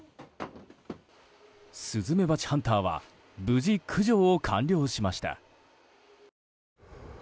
スズメバチハンターは無事、駆除を完了しました。